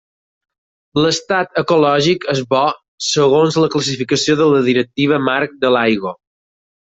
L’estat ecològic és bo segons la classificació de la Directiva Marc de l’Aigua.